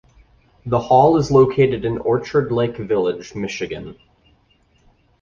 The hall is located in Orchard Lake Village, Michigan.